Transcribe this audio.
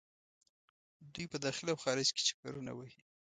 دوۍ په داخل او خارج کې چکرونه وهي.